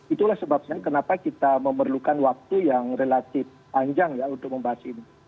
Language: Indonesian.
itulah sebabnya kenapa kita memerlukan waktu yang relatif panjang ya untuk membahas ini